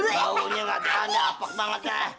tahu tahu nggak ada apa apa banget ya